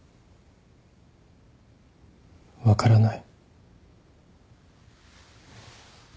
分からない。